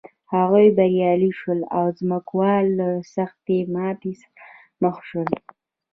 هغوی بریالي شول او ځمکوال له سختې ماتې سره مخ شول.